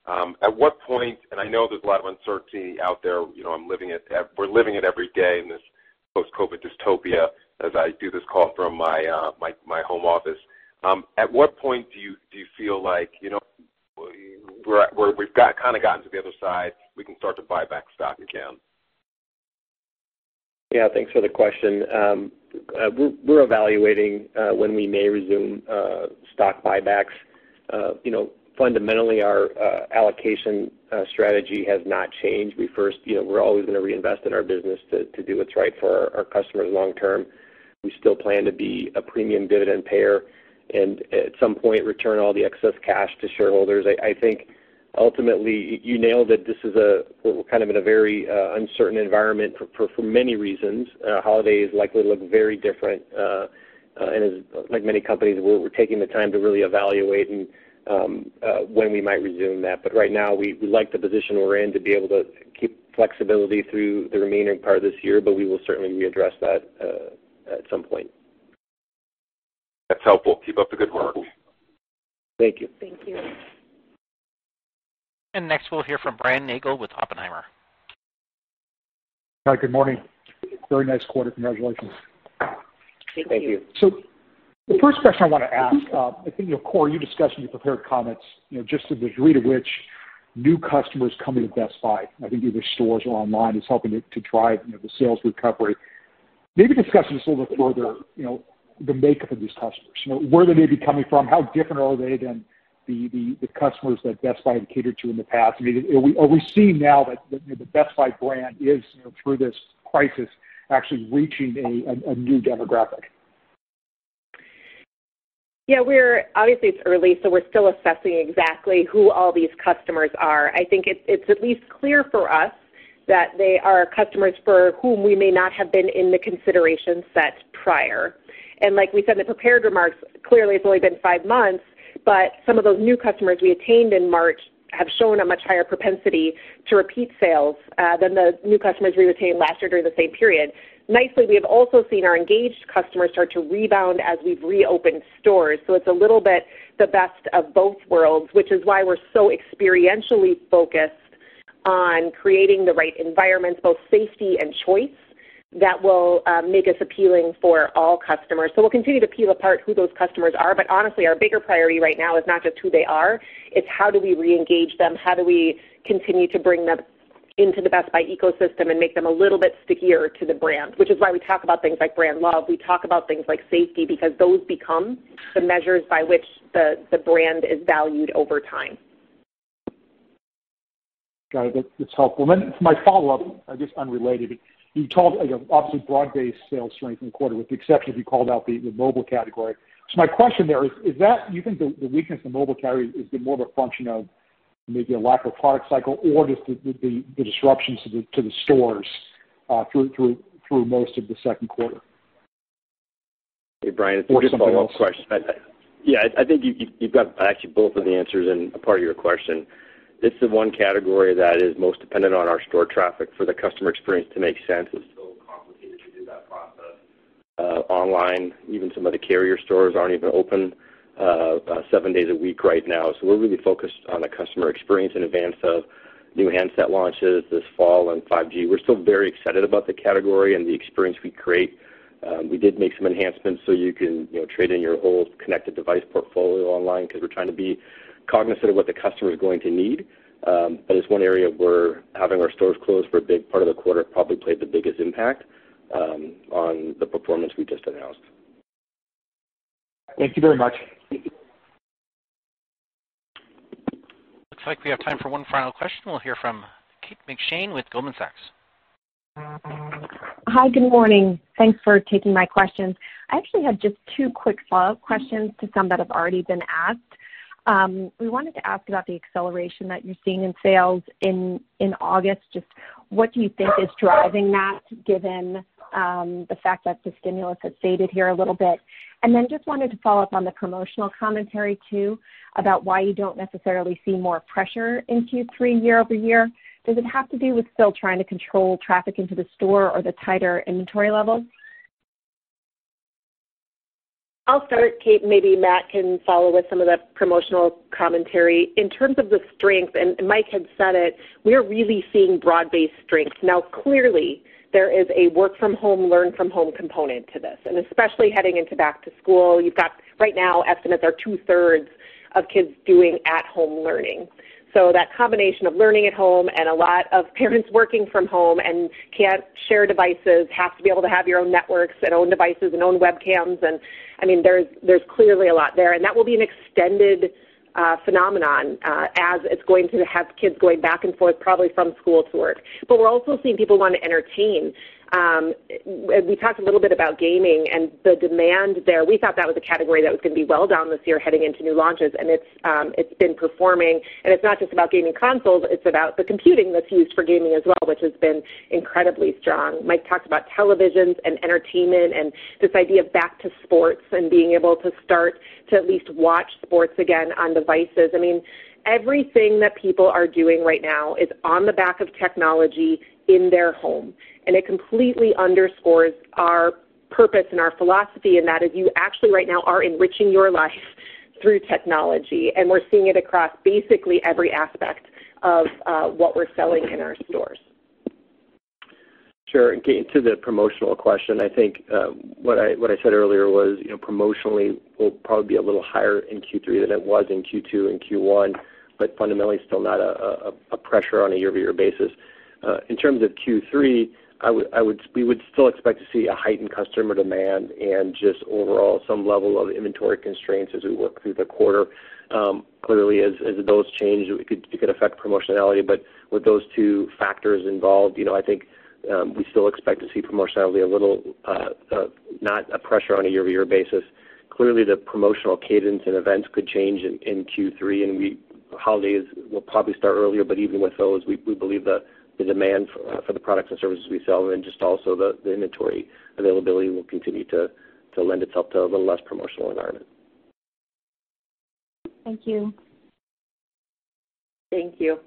At what point, I know there's a lot of uncertainty out there, we're living it every day in this post-COVID-19 dystopia as I do this call from my home office. At what point do you feel like, you know, we've kind of gotten to the other side, we can start to buy back stock again? Yeah, thanks for the question. We're evaluating when we may resume stock buybacks. Fundamentally, our allocation strategy has not changed. We're always going to reinvest in our business to do what's right for our customers long term. We still plan to be a premium dividend payer and at some point, return all the excess cash to shareholders. I think ultimately, you nailed it. This is kind of in a very uncertain environment for many reasons. Holidays likely look very different. As like many companies, we're taking the time to really evaluate when we might resume that. Right now, we like the position we're in to be able to keep flexibility through the remaining part of this year, but we will certainly readdress that at some point. That's helpful. Keep up the good work. Thank you. Thank you. Next, we'll hear from Brian Nagel with Oppenheimer. Hi, good morning. Very nice quarter. Congratulations. Thank you. Thank you. The first question I want to ask, I think Corie, you discussed in your prepared comments, just the degree to which new customers come into Best Buy, I think either stores or online, is helping to drive the sales recovery. Maybe discuss this a little bit further, you know, the makeup of these customers. Where are they maybe coming from? How different are they than the customers that Best Buy had catered to in the past? Are we seeing now that the Best Buy brand is, through this crisis, actually reaching a new demographic? Yeah. Obviously, it's early, so we're still assessing exactly who all these customers are. I think it's at least clear for us that they are customers for whom we may not have been in the consideration set prior. Like we said in the prepared remarks, clearly it's only been five months, but some of those new customers we attained in March have shown a much higher propensity to repeat sales than the new customers we retained last year during the same period. Nicely, we have also seen our engaged customers start to rebound as we've reopened stores. It's a little bit the best of both worlds, which is why we're so experientially focused on creating the right environments, both safety and choice, that will make us appealing for all customers. We'll continue to peel apart who those customers are, but honestly, our bigger priority right now is not just who they are, it's how do we reengage them, how do we continue to bring them into the Best Buy ecosystem and make them a little bit stickier to the brand, which is why we talk about things like brand love. We talk about things like safety because those become the measures by which the brand is valued over time. Got it. That's helpful. For my follow-up, just unrelated, you talked obviously broad-based sales strength in the quarter with the exception you called out the mobile category. My question there is, do you think the weakness in mobile category is more of a function of maybe a lack of product cycle, or just the disruptions to the stores through most of the second quarter? Hey, Brian, it's Mike. Just something else. I think you've got actually both of the answers in a part of your question. It's the one category that is most dependent on our store traffic for the customer experience to make sense. It's still complicated to do that process online. Even some of the carrier stores aren't even open seven days a week right now. We're really focused on the customer experience in advance of new handset launches this fall and 5G. We're still very excited about the category and the experience we create. We did make some enhancements so you can trade in your whole connected device portfolio online because we're trying to be cognizant of what the customer is going to need. It's one area where having our stores closed for a big part of the quarter probably played the biggest impact on the performance we just announced. Thank you very much. Looks like we have time for one final question. We'll hear from Kate McShane with Goldman Sachs. Hi. Good morning. Thanks for taking my questions. I actually had just two quick follow-up questions to some that have already been asked. We wanted to ask about the acceleration that you're seeing in sales in August. Just what do you think is driving that, given the fact that the stimulus has faded here a little bit? Then just wanted to follow up on the promotional commentary too, about why you don't necessarily see more pressure in Q3 year-over-year. Does it have to do with still trying to control traffic into the store or the tighter inventory levels? I'll start, Kate, and maybe Matt can follow with some of the promotional commentary. In terms of the strength, and Mike had said it, we are really seeing broad-based strength. Now, clearly, there is a work from home, learn from home component to this, and especially heading into back to school. You've got right now estimates are two-thirds of kids doing at-home learning. That combination of learning at home and a lot of parents working from home and can't share devices, have to be able to have your own networks and own devices and own webcams, and there's clearly a lot there. That will be an extended phenomenon, as it's going to have kids going back and forth, probably from school to work. We're also seeing people want to entertain. We talked a little bit about gaming and the demand there. We thought that was a category that was going to be well down this year heading into new launches, and it's been performing. It's not just about gaming consoles, it's about the computing that's used for gaming as well, which has been incredibly strong. Mike talked about televisions and entertainment and this idea of back to sports and being able to start to at least watch sports again on devices. Everything that people are doing right now is on the back of technology in their home, and it completely underscores our purpose and our philosophy, and that is you actually right now are enriching your life through technology, and we're seeing it across basically every aspect of what we're selling in our stores. Sure. Kate, to the promotional question, I think what I said earlier was promotionally, we'll probably be a little higher in Q3 than it was in Q2 and Q1, but fundamentally still not a pressure on a year-over-year basis. In terms of Q3, we would still expect to see a heightened customer demand and just overall some level of inventory constraints as we work through the quarter. Clearly, as those change, it could affect promotionality. With those two factors involved, I think we still expect to see promotionality a little, not a pressure on a year-over-year basis. Clearly, the promotional cadence and events could change in Q3, and holidays will probably start earlier. Even with those, we believe the demand for the products and services we sell and then just also the inventory availability will continue to lend itself to a little less promotional environment. Thank you. Thank you.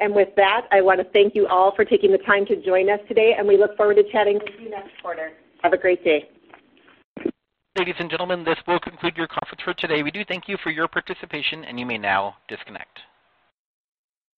With that, I want to thank you all for taking the time to join us today, and we look forward to chatting with you next quarter. Have a great day. Ladies and gentlemen, this will conclude your conference for today. We do thank you for your participation, and you may now disconnect.